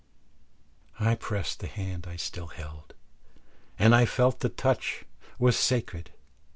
I pressed the hand I still held, and I felt the touch was sacred.